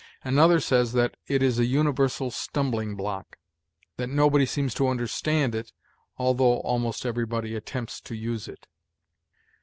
Another says that it is a universal stumbling block; that nobody seems to understand it, although almost everybody attempts to use it.